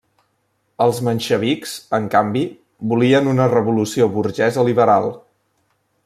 Els menxevics, en canvi, volien una revolució burgesa liberal.